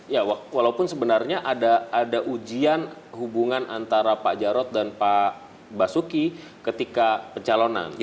ya walaupun sebenarnya ada ujian hubungan antara pak jarod dan pak basuki ketika pencalonan